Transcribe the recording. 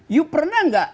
you pernah gak